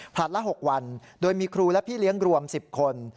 ผลัดละ๖วันโดยมีครูและพี่เลี้ยงรวม๑๐คน